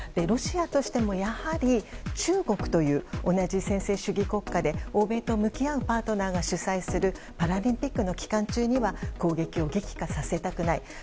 ロシアとしてもやはり、中国という同じ専制主義国家で欧米と向き合うパートナーが主催するパラリンピックの期間中には攻撃を激化させたくない。